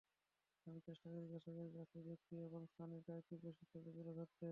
আমি চেষ্টা করি দর্শকের কাছে ব্যক্তি এবং স্থানের চারিত্রিক বৈশিষ্ট্যটাকে তুলে ধরতে।